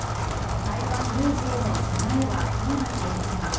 台湾有事への備えはどうなっているのか。